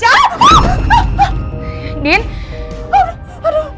aduh aduh aduh